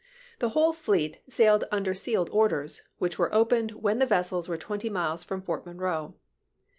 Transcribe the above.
The whole fleet sailed under sealed orders, which were opened when the vessels were twenty miles from Fort Monroe.